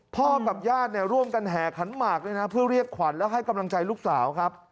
กับญาติเนี่ยร่วมกันแห่ขันหมากด้วยนะเพื่อเรียกขวัญและให้กำลังใจลูกสาวครับ